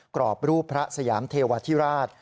กรอบรูปพระสยามเทวาธิราช